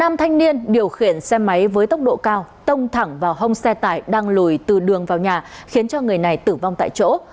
nam thanh niên điều khiển xe máy với tốc độ cao tông thẳng vào hông xe tải đang lùi từ đường vào nhà khiến cho người này tử vong tại chỗ